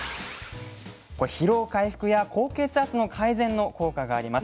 これ「疲労回復や高血圧の改善」の効果があります。